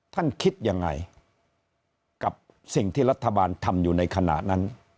คิดยังไงกับสิ่งที่รัฐบาลทำอยู่ในขณะนั้น